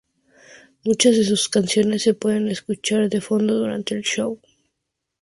Muchas de sus canciones se pueden escuchar de fondo durante el show.